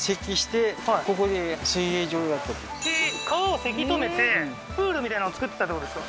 へえー川を堰き止めてプールみたいなのを作ってたってことですか？